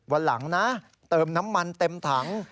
วันหลังนะเติมน้ำมันเต็มถัง